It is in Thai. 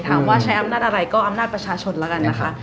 ถามว่าใช้อำนาจอะไรก็อำนาจประชาชนแล้วกันนะคะ